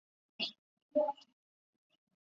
这个价钱怎么样？